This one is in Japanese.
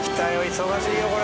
忙しいよこれ。